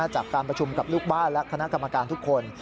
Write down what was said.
จากการประชุมกับลูกบ้านและคณะกรรมการทุกคน